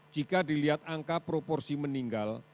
jika dilihat angka proporsi meninggal